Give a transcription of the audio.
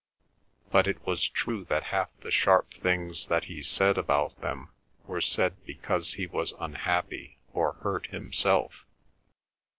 But it was true that half the sharp things that he said about them were said because he was unhappy or hurt himself.